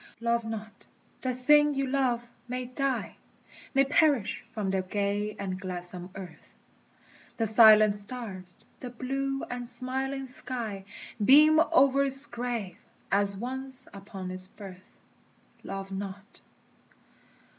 Love not! the thing you love may die, May perish from the gay and gladsome earth; The silent stars, the blue and smiling sky, Beam o'er its grave, as once upon its birth. Love not!